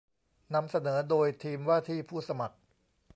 นำเสนอโดยทีมว่าที่ผู้สมัคร